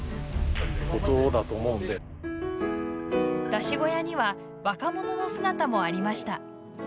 山車小屋には若者の姿もありました。